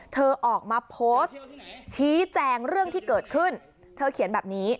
เธอออกมาโพสต์ชี้แจงเรื่องที่เกิดขึ้นเธอเขียนแบบนี้